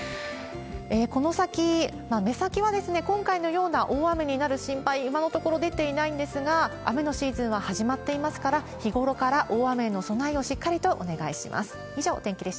この先、目先は今回のような大雨になる心配、今のところ出ていないんですが、雨のシーズンは始まっていますから、日頃から大雨への備えをしっかりとお願いします。